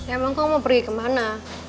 emang kamu pergi kemana